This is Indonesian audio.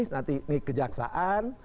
nanti ini kejaksaan